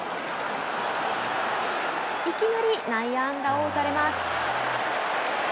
いきなり内野安打を打たれます。